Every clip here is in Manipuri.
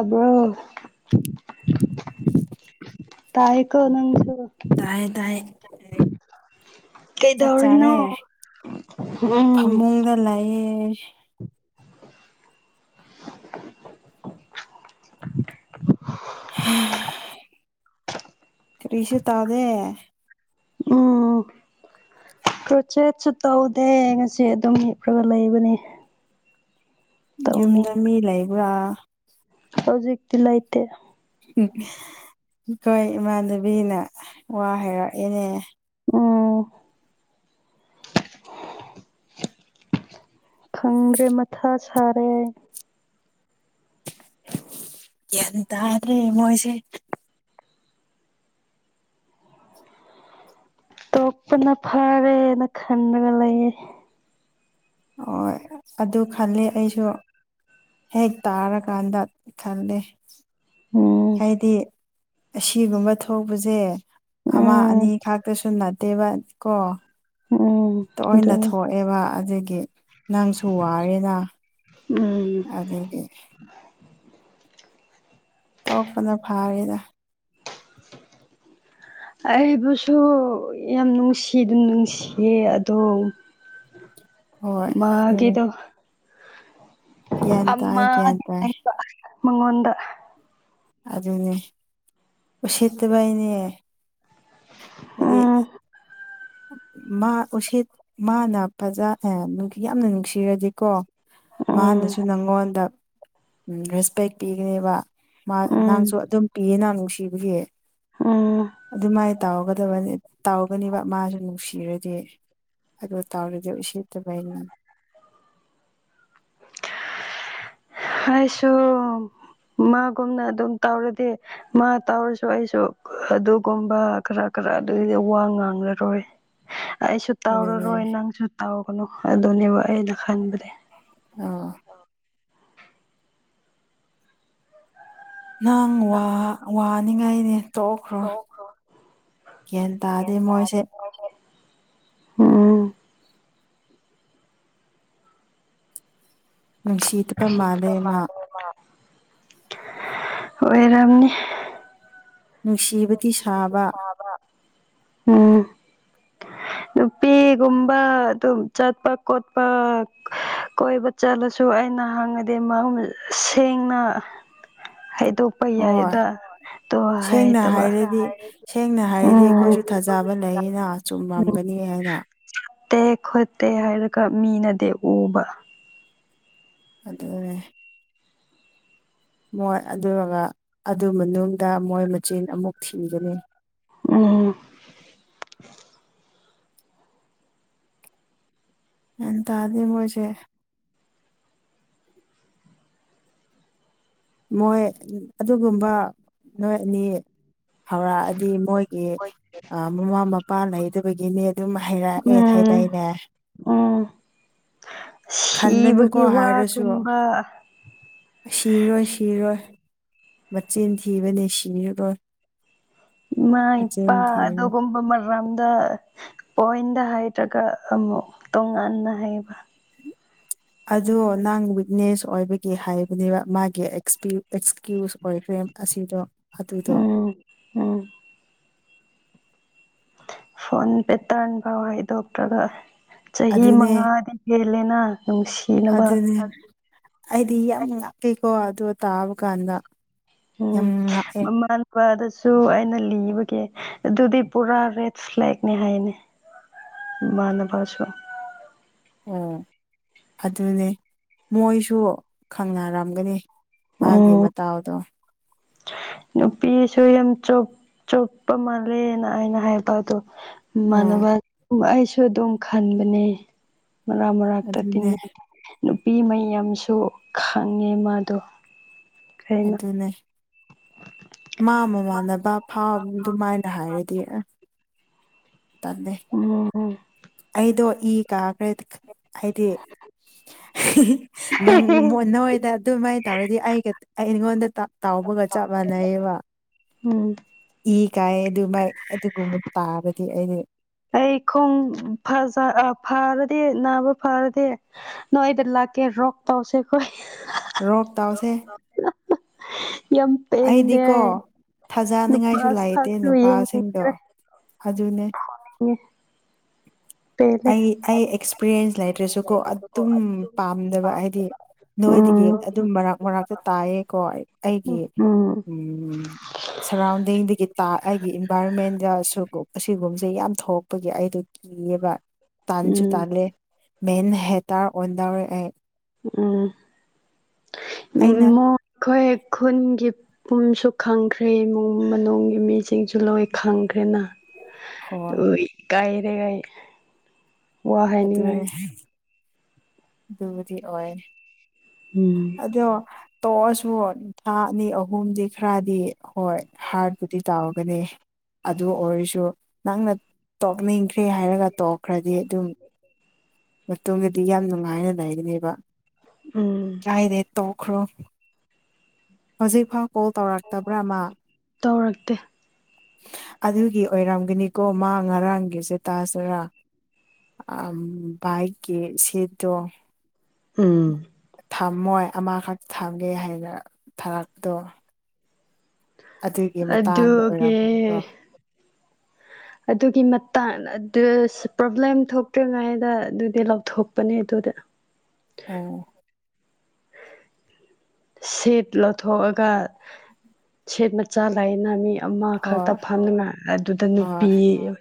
ꯑꯗꯨꯕ꯭ꯔꯣ ꯅꯪꯁꯨ [inaudible] ꯇ ꯇꯥꯏ ꯆꯥꯛ ꯀꯩꯗꯧꯔꯤꯅꯣ ꯆꯥꯔꯦ ꯎꯝ ꯐꯃꯨꯡꯗ ꯂꯩꯌꯦ [inaudible] ꯎꯝ ꯀꯔꯤꯁ ꯇꯥꯗꯦ ꯎꯝ ꯄ꯭ꯔꯣꯆꯦꯠꯁꯨ ꯇꯧꯗꯦ ꯉꯁꯤ ꯑꯗꯨꯝ ꯍꯞꯄꯒ ꯂꯩꯕꯅꯦ ꯌꯨꯝꯗ ꯇꯧꯅꯤꯡ ꯃꯤ ꯂꯩꯕ꯭ꯔꯥ ꯍꯧꯖꯤꯛꯇꯂꯥꯏꯇ ꯑꯩꯈꯣꯏ ꯏꯃꯥꯟꯅꯕꯤꯅ ꯋꯥ ꯍꯥꯏꯩꯔꯛꯏꯦꯅꯦ ꯎꯝ ꯈꯪꯗ꯭ꯔꯦ ꯃꯊꯥ ꯁꯥꯔꯦ ꯍꯥꯏ ꯒ꯭ꯌꯥꯟ ꯇꯥꯗ꯭ꯔꯦ ꯃꯣꯏꯁꯦ ꯇꯣꯛꯄꯅ ꯐꯔꯦꯅ ꯈꯟꯗꯅ ꯂꯩꯌꯦꯦ ꯍ ꯑꯗꯨ ꯈꯂ ꯑꯩꯁꯨ ꯍꯦꯛ ꯇꯥꯔꯀꯥꯟꯗ ꯈꯜꯂꯦ ꯎꯝ ꯍꯥꯏꯗꯤ ꯑꯁꯤꯒꯨꯝꯕ ꯊꯣꯛꯄꯁꯦ ꯑꯃ ꯎꯝ ꯑꯅꯤ ꯈꯥꯛꯇꯁꯨ ꯅꯠꯇꯦꯕ ꯀꯣ ꯎꯝ ꯇꯣꯏꯅ ꯑꯗꯨꯅꯤ ꯊꯣꯛꯑꯦꯕ ꯑꯗꯨꯗꯒꯤ ꯅꯪꯁꯨ ꯋꯥꯔꯦꯅ ꯎꯝ ꯑꯗꯨꯗꯗꯤ ꯇ ꯀꯩꯅ ꯐꯥꯔꯗ ꯑꯩꯕꯨꯁꯨ ꯌꯥꯝ ꯅꯨꯡꯁꯤ ꯑꯗꯨꯝ ꯅꯨꯡꯁꯤꯌꯦ ꯑꯗꯣ ꯍꯣꯏ ꯑꯗꯨꯅꯦ ꯃꯥꯒꯤꯦꯗꯣ ꯒ꯭ꯌꯥꯟ ꯇꯥꯏ ꯑꯃ ꯒ꯭ꯌꯥꯟ ꯇꯥꯏ ꯃꯉꯣꯗ ꯑꯗꯨꯗꯅꯤ ꯑꯣ ꯁꯇꯕꯥꯏꯅꯦ ꯎꯝ ꯃꯥ ꯎꯁꯤꯠ ꯃꯥꯅ ꯐꯖ ꯌꯥꯝꯅ ꯅꯨꯡꯁꯤꯔꯗꯤꯀꯣ ꯎꯝ ꯃꯥꯅꯁꯨ ꯅꯪꯉꯣꯟꯗ ꯔꯦꯁꯄꯦꯛ ꯄꯤꯒꯅꯦꯕ ꯎꯝ ꯅꯪꯁꯨ ꯑꯗꯨꯝ ꯄꯤꯌꯦ ꯅꯍ ꯅꯨꯡꯁꯤꯕꯒꯤ ꯎꯝ ꯑꯗꯨꯃꯥꯏꯅ ꯇꯧꯔꯒ ꯕ ꯇꯥꯎꯒꯅꯦꯕ ꯃꯥꯁꯨ ꯅꯨꯡꯁꯤꯔꯗꯤ ꯑꯗ ꯇꯥꯎꯔꯗꯤ ꯎꯆ ꯇꯧꯕꯥꯏꯅꯤ ꯍꯥꯏꯁꯨꯣ ꯃꯥꯒꯨꯝꯅ ꯑꯗꯨꯝ ꯇꯧꯔꯗꯤ ꯃꯥ ꯇꯧꯔꯁꯨ ꯑꯩꯁꯨ ꯑꯗꯨꯒꯨꯝꯕ ꯈꯔ ꯈꯔ ꯈꯔ ꯑꯗꯨꯏꯗꯤ ꯋꯥ ꯉꯥꯡꯂꯔꯣꯏ [inaudible] ꯑꯩꯁꯨ ꯑꯗꯨꯅꯦ ꯇꯧꯔꯔꯣꯏ ꯅꯪꯁꯨ ꯇꯥꯎꯒꯅꯨ ꯑꯗꯨꯅꯦꯕ ꯑꯩꯅ ꯈꯟꯕꯅꯦ ꯑꯥ ꯅꯪ ꯋꯥꯅꯤꯉꯥꯏꯅꯦ ꯇꯣꯛꯈ꯭ꯔꯣ ꯒ꯭ꯌꯥꯟ ꯇꯥꯔꯗꯤ ꯃꯣꯏꯁꯦ ꯑꯣ ꯅꯨꯡꯁꯤꯤꯇꯄ ꯃꯥꯗꯦ ꯃꯥ ꯑꯣꯏꯔꯝꯅꯤ ꯅꯨꯡꯁꯤꯕꯗꯤ ꯁꯥꯕ ꯎꯝ ꯅꯨ ꯐꯤꯒꯨꯝꯕ ꯑꯗꯨꯝ ꯆꯠꯄ ꯈꯣꯠꯄ ꯀꯣꯏꯕ ꯆꯠꯂꯁꯨ ꯑꯩꯅ ꯁꯦꯡꯅ ꯍꯥꯏ ꯍꯣꯏ ꯇꯣꯄꯩꯌꯥꯗ ꯇꯣ ꯍꯥꯏ ꯁꯦꯡꯅ ꯍꯥꯏꯔꯗꯤ ꯁꯦꯡꯅ ꯍꯥꯏꯔꯗꯤ ꯑꯩꯈꯣꯏꯁꯨ ꯊꯥꯖꯕ ꯂꯩꯌꯦꯅ ꯆꯨꯝꯃꯝꯒꯅꯤ ꯍꯥꯏꯅ ꯐꯠꯇꯦ ꯈꯣꯠꯇꯦ ꯍꯥꯏꯔꯒ ꯃꯤꯅꯗꯤ ꯎꯕ ꯑꯗꯨꯗꯅꯦ ꯃꯣꯏ ꯑꯗꯨꯒ ꯑꯗꯨ ꯃꯅꯨꯡꯗ ꯃꯣꯏ ꯃꯆꯤꯟ ꯑꯃꯨꯛ ꯊꯤꯒꯅꯤ ꯎꯝ ꯑꯦ ꯇ ꯑꯗꯤ ꯃꯁꯦ ꯃꯣꯏ ꯑꯗꯨꯒꯨꯝꯕ ꯅꯣꯏ ꯑꯅꯤ ꯍꯧꯔꯛꯑꯗꯤ ꯃꯣꯏ ꯃꯃꯥ ꯃꯄꯥ ꯂꯩꯗꯨꯕꯒꯤꯅꯦ ꯑꯗꯨꯝ ꯍꯥꯏꯩꯔꯛꯑꯦ ꯎꯝ ꯊꯥꯏꯊꯩꯅꯦ ꯎꯝ ꯈꯟꯂꯅꯨꯀꯣ ꯁꯤꯕꯒꯤ ꯍꯥꯏꯔꯁꯨꯣ ꯋꯥꯒꯨꯝꯕ ꯁꯤꯔꯣꯏ ꯁꯤꯔꯣꯏ ꯃꯆꯤꯟ ꯊꯤꯕꯅꯤ ꯁꯤꯔꯔꯣꯏ ꯏ ꯃꯥ ꯃꯆꯤꯟ ꯏꯄꯥ ꯊꯤꯕꯅꯤ ꯑꯗꯨ ꯀꯕ ꯃ ꯝꯗ ꯄꯣꯏꯟꯗ ꯍꯥꯏꯔꯒ ꯑꯃꯨꯛ ꯇꯣꯉꯥꯟꯅ ꯍꯩꯕ ꯑꯗꯣ ꯅꯪ ꯋꯤꯛꯅꯦꯁ ꯑꯣꯏꯕꯒꯤ ꯍꯥꯏꯕꯅꯦꯕ ꯃꯥꯒꯤ ꯑꯦꯛꯁꯀ꯭ꯌꯨꯁ ꯑꯣꯏꯈ꯭ꯔꯦ ꯦꯝ ꯑꯁꯤꯗꯣ ꯑꯗꯨꯗ ꯎꯝ ꯎꯝ ꯐꯣꯟ ꯄꯦꯇꯔꯟ ꯐꯥꯎ ꯍꯥꯏꯗꯣꯛꯇ꯭ꯔꯒ ꯆꯍꯤ ꯑꯗꯨꯅꯦ ꯃꯉꯥꯗꯤ ꯍꯦꯜꯂꯦꯅ ꯅꯨꯡꯁꯤꯅꯕ ꯑꯗꯨꯅꯦ ꯑꯩꯗꯤ ꯌꯥꯝ ꯉꯥꯛꯀꯩꯀꯣ ꯑꯗꯨ ꯇꯥꯕ ꯀꯥꯟꯗ ꯎ ꯅꯦ ꯑꯗꯨꯁꯨ ꯑꯩꯅ ꯂꯤꯕꯒꯤꯦ ꯑꯗꯨꯗꯤ ꯄꯨꯔꯥ ꯔꯦꯠ ꯐ꯭ꯂꯦꯦꯛꯅꯦ ꯍꯥꯏꯅꯦ ꯃꯥꯅ ꯄꯁꯨ ꯑꯣ ꯑꯗꯨꯅꯦ ꯃꯣꯏꯁꯨ ꯈꯪꯅꯔꯝꯒꯅꯤ ꯎꯝ ꯃꯥꯦ ꯇꯑꯣꯗꯣ ꯅꯨꯄꯤꯁꯨ ꯌꯥꯝ ꯆ ꯆꯣꯞꯄ ꯃꯥꯜꯂꯦꯅ ꯑꯩꯅ ꯍꯥꯏꯕ ꯑꯗꯣ ꯎꯝ ꯃꯥꯟꯅꯕ ꯑꯩꯁꯨ ꯑꯗꯨꯝ ꯈꯟꯕꯅꯦ ꯃꯔ ꯃꯔꯔꯇ ꯇ ꯑꯗꯨꯅꯦ ꯅꯨꯄꯤ ꯃꯩ ꯌꯥꯝꯁꯨ ꯈꯪꯉꯦ ꯃꯥꯗꯣ ꯀꯩꯅꯣ ꯑꯗꯨꯅꯦ ꯃꯥ ꯃꯃꯥꯟꯅꯕ ꯐꯥꯎ ꯑꯗꯨꯃꯥꯏꯅ ꯍꯥꯏꯔ ꯏꯇ ꯎꯝ ꯑꯩꯗꯣ ꯏ ꯀꯥꯈ꯭ꯔꯦꯗꯤ ꯍꯥꯏꯗꯤ ꯅꯪ ꯃ ꯅꯣꯏꯗ ꯑꯗꯨꯃꯥꯏꯅ ꯇꯧꯔꯗꯤ ꯑꯩꯒ ꯑꯩ ꯑꯩꯉꯣꯟꯗ ꯇ ꯍꯧꯕꯒ ꯆꯞ ꯃꯥꯟꯅꯩꯌꯦꯕ ꯍ ꯏ ꯀꯥꯏ ꯑꯗꯨ ꯃꯥꯏ ꯑꯗꯨꯒꯨꯝꯕ ꯇꯥꯕꯗꯤ ꯑꯩꯗꯤ ꯑꯩ ꯈꯣꯡ ꯐꯖ ꯐꯥꯔꯗꯤꯦ ꯅꯥꯕ ꯐꯥꯔꯗꯤꯦ ꯅꯣꯏꯗ ꯂ ꯇꯦ ꯔ ꯄꯥꯎꯁꯦ ꯀꯣꯏ ꯔꯣꯞ ꯇꯥꯎꯁꯦ [inaudible] ꯌꯥꯝ ꯄꯦꯟꯗꯦ ꯊꯥꯖꯅꯤꯡꯉꯥꯏꯁꯨ ꯅꯨꯄꯥꯥꯁ ꯂꯩꯇꯦ ꯈ ꯅꯨꯄꯥꯁꯤꯡꯗꯣ ꯌꯦꯡꯉ꯭ꯔꯦ ꯑꯗꯨꯅꯦ ꯄꯦꯜꯂꯦ ꯑꯩ ꯑꯩ ꯑꯦꯛꯁꯄꯤꯔꯤꯌꯦꯟꯁ ꯠꯇ꯭ꯔꯁꯨ ꯀꯣ ꯑꯗꯨꯝ ꯄꯥꯝꯗꯕ ꯍꯥꯏꯗꯤ ꯅꯣꯏꯗꯒꯤ ꯎꯝ ꯑꯗꯨꯝ ꯃꯔꯛ ꯃꯔꯛꯇ ꯇꯥꯏꯌꯦꯀꯣ ꯑꯩꯒꯤ ꯎꯝ ꯎꯝ ꯁꯔꯥꯎꯟꯗꯤꯡꯗꯒꯤ ꯇ ꯑꯩꯒꯤ ꯏꯟꯚꯥꯏꯔꯣꯟꯃꯦꯟꯗꯁꯨ ꯑꯁꯤꯒꯨꯝꯕꯁꯦ ꯌꯥꯝ ꯊꯣꯛꯂꯛꯄꯒꯤ ꯑꯩꯗꯣ ꯀꯤꯌꯦꯕ ꯇꯥꯟꯁꯨ ꯎꯝ ꯇꯥꯜꯂꯦ ꯃꯦꯟ ꯍꯦꯇꯥꯔ ꯑꯣꯟꯗꯥꯎꯔ ꯎꯝ ꯑꯩꯅ ꯃꯈꯣꯏ ꯑꯩꯣꯏꯦꯛ ꯈꯨꯟꯒꯤ ꯄꯨꯝꯁꯨ ꯈꯪꯈ꯭ꯔꯦ ꯏꯃꯨꯡ ꯃꯅꯨꯡꯒꯤ ꯃꯤꯁꯤꯡꯁꯨ ꯂꯣꯏ ꯈꯪꯦ ꯍꯣꯏ ꯀꯥꯏꯔꯦ ꯀꯥꯏ ꯑꯗꯨꯗ ꯃꯅꯦ ꯔꯤ ꯑꯣꯏ ꯎꯝ ꯑꯗꯣ ꯇꯣꯛꯑꯁꯨ ꯅꯤꯡ ꯊꯥ ꯑꯅꯤ ꯑꯍꯨꯝꯗꯤ ꯈꯔꯗꯤ ꯍꯣꯏ ꯍꯥꯔꯠ ꯕꯨꯗꯤꯤ ꯇꯧꯒꯅꯤ ꯑꯗꯨ ꯑꯣꯏꯔꯁꯨ ꯅꯪꯅ ꯇꯣꯛꯅꯤꯡꯈ꯭ꯔꯦ ꯍꯥꯏꯔꯒ ꯇꯣꯛꯈ꯭ꯔꯗꯤ ꯑꯗꯨꯝ ꯃꯇꯨꯡꯣꯗꯗꯤ ꯌꯥꯝ ꯅꯨꯡꯉꯥꯏꯅ ꯂꯩꯒꯅꯦꯕ ꯎꯝ ꯀꯥꯏꯔꯦ ꯇꯣꯛꯈ꯭ꯔꯣ ꯍꯧꯖꯤꯛꯐꯥꯎ ꯀꯣꯜ ꯇꯧꯔꯛꯇꯕ꯭ꯔꯥꯃ ꯇꯧꯔꯛꯇꯦ ꯑꯗꯨꯒꯤ ꯑꯣꯏꯔꯝꯒꯅꯤꯀꯣ ꯃꯥ ꯉꯔꯥꯡꯒꯤꯁꯦ ꯇꯥꯁꯔꯥ ꯑ ꯏꯛꯦ ꯁꯠꯇ ꯎꯝ ꯊꯝꯃꯣꯏ ꯑꯃꯈꯛꯇ ꯊꯝꯒꯦ ꯍꯥꯏꯅ ꯊꯔꯛꯄꯗꯣ ꯑꯗꯨꯒꯤ ꯃꯇꯥꯡꯗ ꯑꯗꯨꯒꯤ ꯑꯣꯏꯔꯝꯃꯤꯅꯤꯗꯣ ꯑꯗꯨꯒꯤ ꯃꯇꯥꯡ ꯄ꯭ꯔꯣꯕ꯭ꯂꯦꯝ ꯊꯣꯛꯇ꯭ꯔꯤꯉꯥꯏꯩꯗ ꯑꯗꯨꯗꯤ ꯂꯧꯊꯣꯛꯄꯅꯦ ꯑꯗꯨ ꯑꯗꯨꯗ ꯑꯣ [unintelligible] ꯁꯦꯠ ꯂꯧꯊꯣꯛꯑꯒ ꯁꯦꯠ ꯃꯆꯥ ꯂꯩꯅ ꯃꯤ ꯑꯃ ꯈꯛꯇ ꯍꯣꯏ ꯐꯝꯉꯥꯏ ꯑꯗꯨꯗ ꯍꯣꯏ ꯅꯨꯄꯤ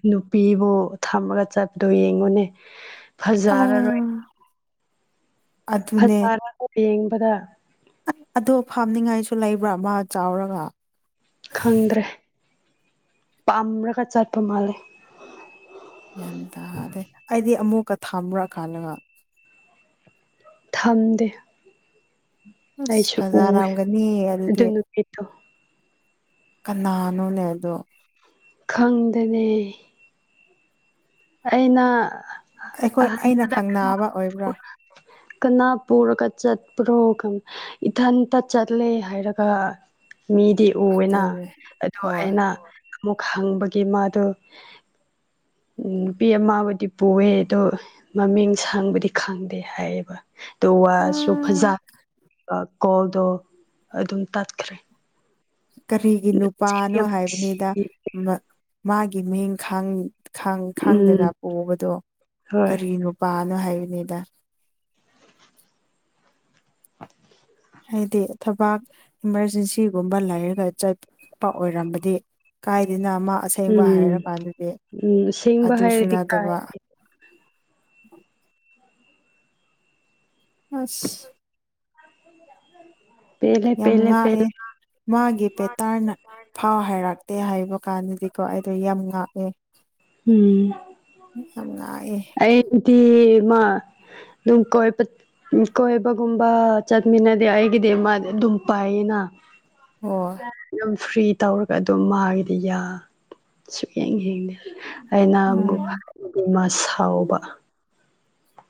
ꯅꯨꯄꯤꯕꯨ ꯊꯝꯃꯒ ꯆꯠꯄꯗꯣ ꯌꯦꯡꯉꯨꯅꯦ ꯐꯖꯔꯔꯣꯏ ꯑꯥ ꯑꯗꯨꯅꯦ ꯐꯖꯔꯒ ꯌꯦꯡꯕꯗ ꯑꯗꯣ ꯐꯥꯝꯅꯤꯉꯥꯏꯁꯨ ꯂꯩꯕ꯭ꯔꯥ ꯃꯥ ꯆꯥꯎꯔꯒ ꯈꯪꯗ꯭ꯔꯦ ꯄꯥꯝꯂꯒ ꯆꯠꯄ ꯃꯥꯜꯂꯦ ꯌꯥꯅꯤ ꯇꯗꯦ ꯑꯩꯗꯤ ꯑꯃꯨꯛꯀ ꯊꯥꯝꯃꯨꯔꯛꯀꯥꯟꯗꯒ ꯊꯝꯗꯦ ꯑꯁ ꯑꯩꯁꯨ ꯎꯋꯦ ꯐꯖꯔꯝꯒꯅꯤ ꯑꯗꯨꯗꯤ ꯑꯗꯨ ꯅꯨꯄꯤꯗꯣ ꯀꯅꯥꯅꯨ ꯂꯩꯗꯣ ꯈꯪꯗꯅꯦ ꯑꯩꯅ ꯑꯩꯈꯣꯏ ꯑꯩꯅ ꯑꯍꯥꯟꯕꯗ ꯀꯅꯥ ꯈꯪꯅꯕ ꯑꯣꯏꯕ꯭ꯔꯥ ꯀꯅꯥ ꯄꯨꯔꯒ ꯆꯠꯄ꯭ꯔꯣ ꯏꯊꯟꯇ ꯆꯠꯂꯦ ꯍꯥꯏꯔꯒ ꯃꯤꯗꯤ ꯎꯋꯦꯅ ꯑꯗꯨꯅꯦ ꯑꯗꯨ ꯍꯣꯏ ꯑꯩꯅ ꯑꯃꯨꯛ ꯍꯪꯕꯒꯤ ꯃꯥꯗꯨ ꯅꯨꯄꯤ ꯑꯃꯕꯨꯗꯤ ꯄꯨꯑ ꯑꯗꯣ ꯃꯃꯤꯡ ꯁꯪꯕꯗꯤ ꯈꯪꯗꯦ ꯍꯥꯏꯌꯦꯕ ꯎ ꯋꯥꯁꯨ ꯐꯖ ꯀꯣꯜꯗꯣ ꯑꯗꯨꯝ ꯇꯠꯈ꯭ꯔꯦ ꯀꯔꯤꯒꯤ ꯅꯨꯄꯥꯅꯣ ꯌꯥꯝ ꯍꯥꯏꯕꯅꯤꯗ ꯃꯥꯒꯤ ꯃꯍꯤꯡꯈꯥꯡ ꯈꯥꯡ ꯈꯥꯡꯗꯅ ꯎꯝ ꯄꯣꯛꯕꯗꯣ ꯍꯣꯏ ꯀꯔꯤꯅꯣ ꯂ ꯍꯥꯏꯅꯤꯗ ꯍꯥꯏꯗꯤ ꯊꯕꯥꯛ ꯏꯃꯥꯔꯖꯦꯟꯁꯤꯒꯨꯝꯕ ꯂꯩꯔꯒ ꯆꯠꯄ ꯑꯣꯏꯔꯝꯕꯗꯤ ꯀꯥꯏꯔꯤꯅ ꯑꯃ ꯑꯁꯦꯡꯕ ꯎꯝ ꯍꯥꯏꯔꯀꯥꯟꯗꯗꯤ ꯎꯝ ꯁꯦꯡꯕ ꯑꯗꯨ ꯍꯥꯏꯔꯗꯤ ꯀꯥꯏ ꯁꯨꯅꯗꯕ [inaudible] ꯑꯁ ꯄꯦꯂ ꯌꯥꯝ ꯄꯦꯍꯦ ꯄꯦꯂꯦ ꯉꯥꯛꯑꯦ ꯃꯥꯒꯤ ꯄꯦꯇꯥꯔꯅ ꯐꯥꯎ ꯍꯥꯏꯔꯛꯇꯦ ꯍꯥꯏꯕ ꯀꯥꯟꯗꯗꯤꯀꯣ ꯑꯩꯗꯣ ꯌꯥꯝ ꯉꯥꯛꯑꯦ ꯎꯝ ꯃꯤꯠ ꯌꯥꯝ ꯅꯥꯏꯌ‌ꯦ ꯇꯤꯌ‌ꯦ ꯃꯥ ꯑꯗꯨꯝ ꯀ‌ꯣꯏꯕ ꯎꯝ ꯀꯣꯏꯕꯒꯨꯝꯕ ꯆꯠꯃꯤꯟꯅ ꯑꯩꯒꯤꯗꯤ ꯃꯥ ꯑꯗꯨꯝ ꯄꯥꯏꯌ‌ꯦꯅ ꯍꯣꯏ ꯐ꯭ꯔꯤ ꯇꯧꯔꯒ ꯑꯗꯨꯝ ꯃꯥꯒꯤꯗꯤ ꯌꯥ ꯁꯨꯛꯌꯦꯡ ꯌ‌ꯦꯡꯗꯦ ꯑꯩꯅꯕꯨ ꯎꯝ ꯃꯥ ꯁꯥꯎꯕ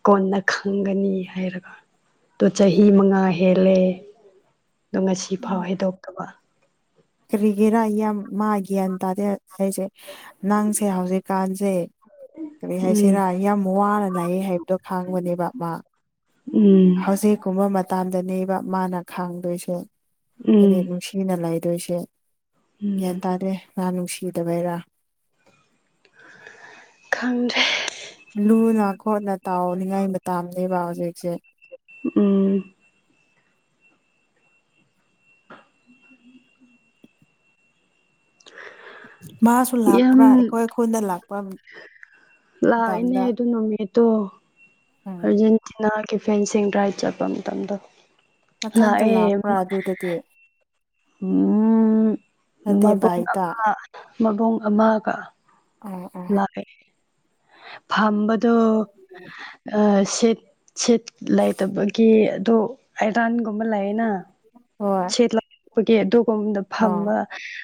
ꯀꯣꯟꯅ ꯈꯪꯒꯅꯤ ꯍꯥꯏꯔꯒ ꯑꯗꯨ ꯆꯍꯤ ꯃꯉꯥ ꯍꯦꯜꯂꯦ ꯑꯗꯣ ꯉꯁꯤ ꯐꯥꯎ ꯍꯥꯏꯗꯣꯛꯇꯕ ꯀꯔꯤꯒꯤꯔꯥ ꯌꯥꯝ ꯃꯥ ꯒ꯭ꯌꯥꯟ ꯇꯥꯗꯦ ꯍꯥꯏꯁꯦ ꯅꯪꯁꯦ ꯍꯧꯖꯤꯛꯀꯥꯟꯁꯦ ꯀꯔꯤ ꯎꯝ ꯍꯥꯏꯁꯤꯔꯥ ꯌꯥꯝ ꯋꯥꯅ ꯂꯥꯛꯑꯦ ꯍꯥꯏꯕꯗꯣ ꯈꯥꯡꯕꯅꯦꯕ ꯃꯥ ꯎꯝ ꯍꯧꯖꯤꯛꯀꯨꯝꯕ ꯃꯇꯝꯗꯅꯦꯕ ꯃꯥꯅ ꯈꯥꯡꯗꯣꯏꯁꯦ ꯎꯝ ꯍꯥꯏꯗꯤ ꯅꯨꯡꯁꯤꯅ ꯂꯩ ꯗꯨꯏꯁꯦ ꯎꯝ ꯒ꯭ꯌꯥꯟ ꯇꯥꯗꯔ‌ꯦ ꯃꯥ ꯅꯨꯡꯁꯤꯗꯕꯩꯔꯥ ꯍ ꯈꯪꯗꯔꯦ ꯂꯨꯅ ꯈꯣꯠꯅ ꯇꯥꯎꯅꯤꯡꯉꯥꯏ ꯃꯇꯝꯅꯦꯕ ꯍꯧꯖꯤꯛꯁꯦ ꯎꯝ ꯃꯥꯁꯨ ꯌꯥꯝ ꯂꯥꯛꯄ꯭ꯔꯥ ꯑꯩꯈꯣꯏ ꯈꯨꯟꯗ ꯂꯥꯛ ꯂꯥꯛꯏꯅꯦ ꯑꯗꯨ ꯅꯨꯃꯤꯠ ꯇꯣ ꯎꯝ ꯑꯔꯖꯦꯟꯇꯤꯅꯥ ꯀꯤꯐꯦꯟꯁꯤꯡ ꯗꯔꯥꯏꯠ ꯆꯠꯄ ꯃꯇꯝꯗ‌ꯣ ꯃꯊꯟꯇ ꯂꯥꯛꯄ꯭ꯔꯥ ꯑꯗꯨꯗꯗꯤ ꯎꯝ ꯅꯠꯇꯦ ꯃꯕꯣꯡ ꯚꯥꯏꯇ ꯑꯃ ꯃꯕꯣꯡ ꯑꯃꯒ ꯑꯣ ꯑꯣ ꯂꯥꯛꯑꯦ ꯐꯝꯕꯗꯣ ꯑꯥ ꯁꯤꯠ ꯁꯤꯠ ꯂꯩꯇꯕꯒꯤ ꯑꯗꯨ ꯑꯥꯏꯔꯥꯟꯒꯨꯝꯕ ꯂꯩꯌꯦꯅ ꯍꯣꯏ ꯒꯤ ꯑꯗꯨꯒꯨꯝꯕꯗ ꯑꯥ ꯐꯝꯕ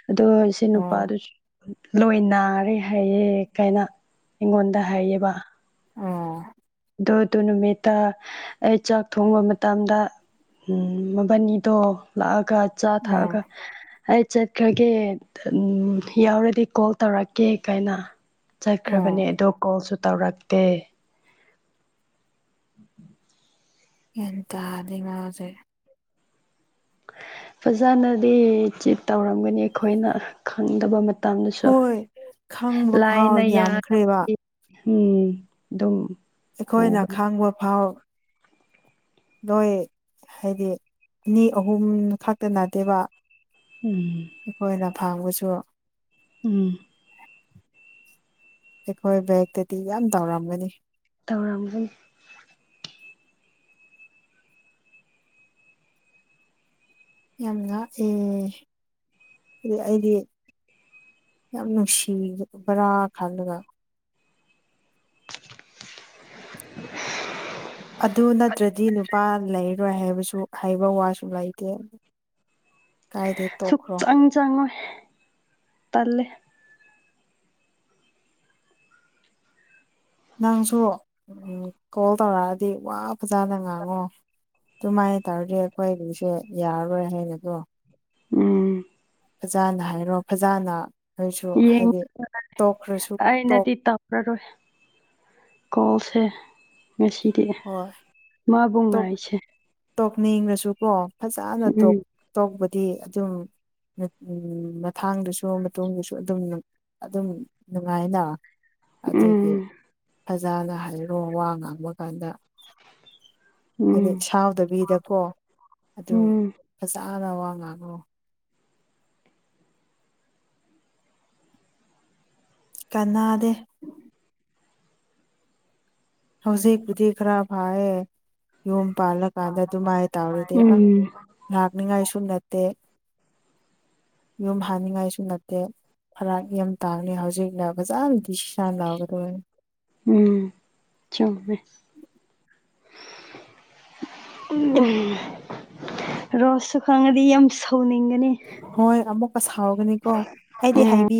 ꯑꯗꯨ ꯁꯤ ꯑꯥ ꯅꯨꯄꯥꯗꯨꯁꯨ ꯂꯣꯏ ꯅꯥꯔꯦ ꯍꯥꯏꯌꯦ ꯀꯥꯏꯅ ꯑꯩꯉꯣꯟꯗ ꯍꯥꯏꯌꯦꯕ ꯑꯣ ꯑꯗꯨ ꯑꯗꯨ ꯅꯨꯃꯤꯠꯇ ꯑꯩ ꯆꯥꯛ ꯊꯣꯡꯕ ꯃꯇꯝꯗ ꯎꯝ ꯃꯕꯥꯅꯤꯗꯣ ꯂꯥꯛꯑꯒ ꯆꯥ ꯎꯝ ꯊꯛꯑꯒ ꯑꯩ ꯆꯠꯈ꯭ꯔꯒꯦ ꯎꯝ ꯌꯥꯎꯔꯗꯤ ꯀꯣꯜ ꯇꯧꯔꯛꯀꯦ ꯀꯥꯏꯅ ꯎꯝ ꯆꯠꯈ꯭ꯔꯕꯅꯦ ꯑꯗꯣ ꯀꯣꯜꯁꯨ ꯇꯧꯔꯛꯇꯦ [unintelligible] ꯒꯌꯥꯟ ꯇꯥꯗ‌ꯦ ꯃꯥꯖ‌ꯦ ꯐꯖꯅꯗꯤ ꯆꯤꯠ ꯇꯧꯔꯝꯒꯅꯤ ꯑꯩꯈꯣꯏꯅ ꯈꯪꯗꯕ ꯃ ꯃꯇꯝꯗꯁꯨ ꯍꯣꯏ ꯈꯪꯕ ꯐꯥꯎ ꯂꯥꯏꯅ ꯌꯥꯝꯈ꯭ꯔꯦꯕ ꯌꯥꯗꯕ [inaudible] ꯎꯝ ꯑꯗꯨꯝ ꯑꯩꯈꯣꯏꯅ ꯎꯕꯅꯤ ꯈꯥꯡꯕ ꯐꯥꯎ ꯅꯣꯏ ꯍꯥꯏꯗꯤ ꯑꯅꯤ ꯑꯍꯨꯝ ꯈꯛꯇ ꯅꯠꯇꯦꯕ ꯎꯝ ꯑꯩꯈꯣꯏꯅ ꯐꯥꯡꯕꯁꯨ ꯎꯝ ꯑꯩꯈꯣꯏ ꯕꯦꯛꯇꯗꯤ ꯌꯥꯝ ꯇꯧꯔꯝꯒꯅꯤ ꯇꯧꯔꯝꯒꯅꯤ ꯌꯥꯝ ꯉꯥꯛꯑ‌ꯦ ꯑꯗꯨ ꯑꯩꯗꯤ ꯌꯥꯝ ꯅꯨꯡꯁꯤꯕ ꯕꯔꯥ ꯈꯜꯂꯒ ꯑꯗꯨ ꯅꯠꯇ꯭ꯔꯗꯤ ꯅꯨꯄꯥ ꯂꯩꯔꯣꯏ ꯍꯥꯏꯕꯁꯨ ꯍꯥꯏꯕ ꯋꯥꯁꯨ ꯂꯩꯇꯦ ꯀꯥꯏꯗꯩ ꯇꯣꯛꯈ꯭ꯔꯣ ꯁꯨꯛꯆꯪ ꯆꯪꯉꯣꯏ ꯇꯜꯂꯦ ꯅꯪꯁꯨ ꯎꯝ ꯀꯣꯜ ꯇꯧꯔꯛꯑꯗꯤ ꯋꯥ ꯐꯖꯅ ꯉꯥꯡꯉꯣ ꯑꯗꯨꯃꯥꯏꯅ ꯇꯧꯔꯗꯤ ꯑꯩꯈꯣꯏ ꯑꯗꯨꯁꯨ ꯌꯥꯔꯔꯣꯏ ꯍꯥꯏꯕꯗꯣ ꯎꯝ ꯐꯖꯅ ꯍꯥꯏꯔꯣ ꯐꯖꯅ ꯑꯩꯣꯏꯁꯨ ꯌꯦꯡ ꯍꯥꯏꯗꯤ ꯇꯣꯛꯈ꯭ꯔꯁꯨ ꯇꯣꯛ ꯑꯩꯅꯗꯤ ꯁ ꯉꯁꯤꯗꯤ ꯍꯣꯏ ꯃꯥꯕꯨꯡꯉ ꯑꯩꯁꯦ ꯑꯗꯨꯀꯣ ꯐꯖꯅ ꯇꯣꯛꯄꯗꯤ ꯑꯗꯨꯝ ꯃꯊꯥꯡꯗꯨꯁꯨ ꯃꯇꯨꯡꯗꯨꯁꯨ ꯑꯗꯨꯝ ꯑꯗꯨꯝ ꯅꯨꯡꯉꯥꯏꯅ ꯑꯗꯨꯗꯤ ꯎꯝ ꯐꯖꯅ ꯍꯥꯏꯔꯣ ꯋꯥ ꯉꯥꯡꯕ ꯀꯥꯟꯗ ꯍꯥꯏꯗꯤ ꯎꯝ ꯁꯥꯎꯗꯕꯤꯗꯀꯣ ꯑꯗꯨꯝ ꯎꯝ ꯐꯖ ꯑ ꯋꯥꯉꯉꯣ ꯀꯅꯥꯗꯦ ꯍꯧꯖꯤꯛꯄꯨꯗꯤ ꯈꯔ ꯐꯌꯦꯦ ꯌꯨꯝ ꯄꯥꯜꯂꯀꯥꯟꯗ ꯑꯗꯨꯃꯥꯏ ꯇꯧꯔꯤꯗꯤ ꯑ ꯎꯝ ꯂꯥꯛꯅꯤꯉꯥꯏ ꯁꯁꯨ ꯅꯠꯇꯦ ꯌꯨꯝ ꯍꯅꯤꯡꯉꯥꯏꯁꯨ ꯅꯠꯇꯦ ꯐꯔꯥꯛ ꯌꯥꯝ ꯇꯥꯡꯅꯤ ꯍꯧꯖꯤꯛꯩꯅ ꯐꯖꯥꯅ ꯗꯤꯁꯤꯁꯥ ꯂꯥꯎꯒꯗꯣꯏ ꯎꯝ ꯆꯪꯃꯦ ꯎ ꯔꯁ ꯈꯪꯉꯗꯤ ꯌꯥꯝ ꯁꯥꯎꯅꯤꯡꯒꯅꯤ ꯍꯣꯏ ꯑꯃꯨꯛꯀ ꯁꯥꯎꯔꯒꯅꯤꯀꯣ ꯑꯩꯗꯤ ꯎꯝ ꯍꯥꯏꯕꯤ